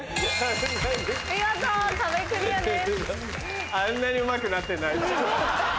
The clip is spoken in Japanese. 見事壁クリアです。